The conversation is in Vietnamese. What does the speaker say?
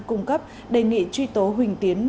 cung cấp đề nghị truy tố huỳnh tiến